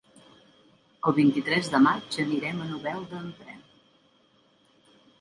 El vint-i-tres de maig anirem a Novelda amb tren.